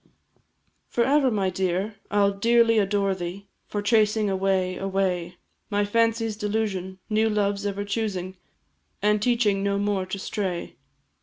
Forever, my dear, I 'll dearly adore thee For chasing away, away, My fancy's delusion, new loves ever choosing, And teaching no more to stray.